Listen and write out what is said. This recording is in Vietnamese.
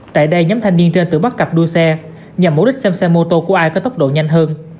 tại đây nhắm thanh niên trên tử bắt cặp đua xe nhằm mối đích xem xe mô tô của ai có tốc độ nhanh hơn